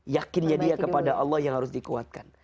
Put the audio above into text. yakinnya dia kepada allah yang harus dikuatkan